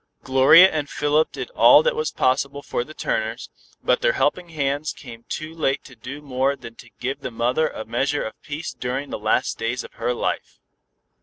Gloria and Philip did all that was possible for the Turners, but their helping hands came too late to do more than to give the mother a measure of peace during the last days of her life.